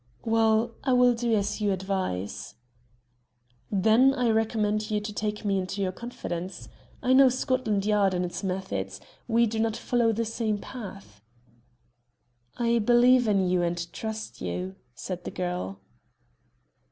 "Well, I will do as you advise." "Then I recommend you to take me into your confidence. I know Scotland Yard and its methods. We do not follow the same path." "I believe in you and trust you," said the girl.